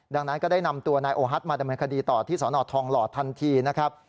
ดังนั้นก็ได้นำตัวนายโอฮัทมาดำเนินคดีต่อที่สนทองหล่อทันทีนะครับ